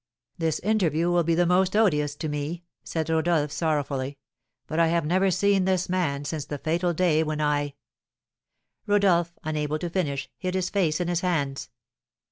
"This interview will be most odious to me!" said Rodolph, sorrowfully; "for I have never seen this man since the fatal day when I " Rodolph, unable to finish, hid his face in his hands.